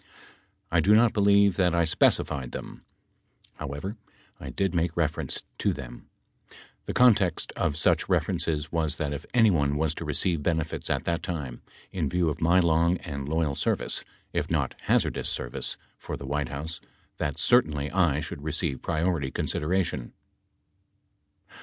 I do not believe that I specified them. However, I did make reference to them. The context of such references was that if anyone was to receive benefits at that time, in view of my long and loyal service, if not hazardous service, for the White House that certainly I should receive priority consideration.